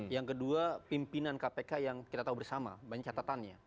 yang kedua pimpinan kpk yang kita tahu bersama banyak catatannya